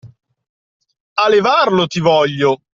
A levarlo ti voglio!